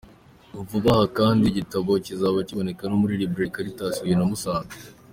Vuba aha kandi iki gitabo kikazaba kiboneka no muri Librairie Caritas Huye na Musanze.